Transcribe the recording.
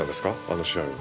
あの試合を。